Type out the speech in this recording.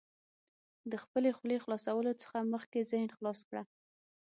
د خپلې خولې خلاصولو څخه مخکې ذهن خلاص کړه.